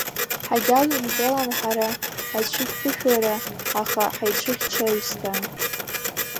Ҳагьалаумгалан ҳара ацәыгьԥышәара, аха ҳаицәыхьча аҩсҭаа…